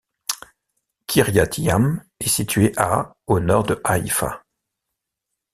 Kiryat-Yam est situé à au nord de Haïfa.